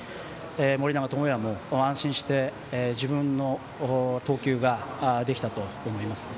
盛永も安心して自分の投球ができたと思います。